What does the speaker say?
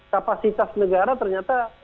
kualitas negara ternyata